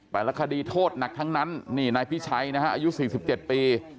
แต่ละคดีโทษหนักทั้งนั้นนี่นายพี่ชัยนะฮะอายุสี่สิบเจ็ดปี